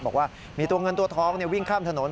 บอกว่ามีตัวเงินตัวทองวิ่งข้ามถนน